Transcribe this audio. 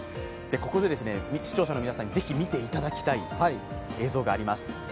ここで視聴者の皆さんに是非見ていただきたい映像があります。